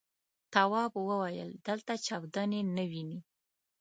تواب وويل: دلته چاودنې نه وینې.